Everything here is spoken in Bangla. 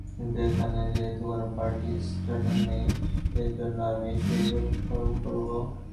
কিন্তু এখানে যেহেতু কোনো পার্টি স্টার্টার নেই, সেজন্য আমিই সেই ভূমিকা পালন করবো।